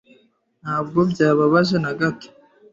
Ntabwo byababaje na gato.